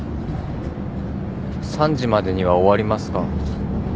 ３時までには終わりますか？